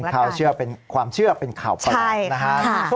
ข่าวเชื่อเป็นความเชื่อเป็นข่าวประหลาดนะฮะ